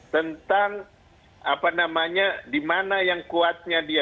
tentang dimana yang kuatnya dia